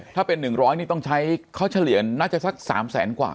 ถ้าเป็น๑๐๐นี่ต้องใช้เขาเฉลี่ยน่าจะสัก๓แสนกว่า